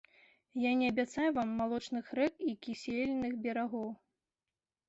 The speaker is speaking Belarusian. Я не абяцаю вам малочных рэк і кісельных берагоў.